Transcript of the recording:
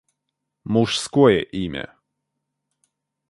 Мужское имя